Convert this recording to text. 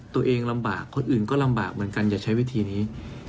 ตัวเองลำบากคนอื่นก็ลำบากเหมือนกันอย่าใช้วิธีนี้